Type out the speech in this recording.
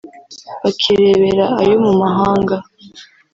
bakirebera ayo mu mahanga